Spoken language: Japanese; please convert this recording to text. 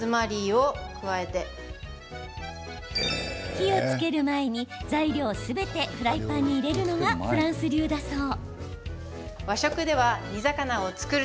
火をつける前に材料をすべてフライパンに入れるのがフランス流だそう。